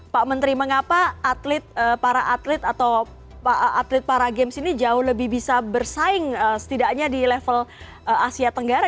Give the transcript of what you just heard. pak menteri mengapa para atlet atau atlet para games ini jauh lebih bisa bersaing setidaknya di level asia tenggara